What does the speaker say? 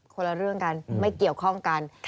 คนละเรื่องกันไม่เกี่ยวข้องกัน